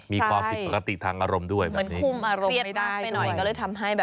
มีความผิดปกติทางอารมณ์ด้วยแบบนี้ฮรี่จานด้วยเหมือนคุมอารมณ์ไม่ได้